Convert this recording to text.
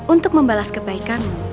untuk membalas kebaikanmu